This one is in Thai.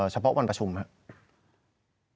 เฉพาะวันประชุมครับ